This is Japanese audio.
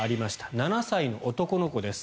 ７歳の男の子です。